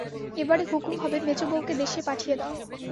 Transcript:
এবারে হুকুম হবে মেজোবউকে দেশে পাঠিয়ে দাও।